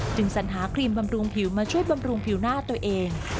สัญหาครีมบำรุงผิวมาช่วยบำรุงผิวหน้าตัวเอง